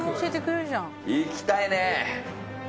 行きたいね。